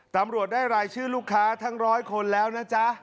ตำรวจได้รายชื่อลูกค้าทั้งร้อยคนแล้วนะจ๊ะ